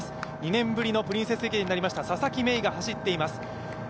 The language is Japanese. ２年ぶりのプリンセス駅伝になりました佐々木芽衣が走っています。